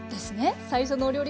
最初のお料理